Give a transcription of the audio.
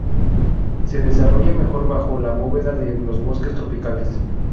Se desarrolla mejor bajo la bóveda de los bosques tropicales.